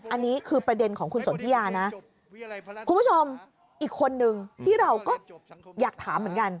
อันนี้คือประเด็นของคุณสนทิยานะคุณผู้ชมอีกคนนึงที่เราก็อยากถามเหมือนกัน